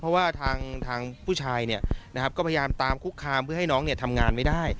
เพราะว่าทางผู้ชายเนี่ยนะครับก็พยายามตามคุกคามเพื่อให้น้องเนี่ยทำงานไม่ได้